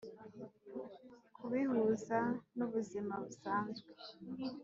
kubihuza n’ubuzima busanzwe